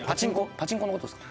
パチンコの事ですか？